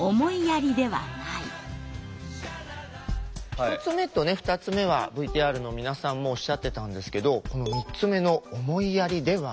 １つ目と２つ目はＶＴＲの皆さんもおっしゃってたんですけど３つ目の「『思いやり』ではない」。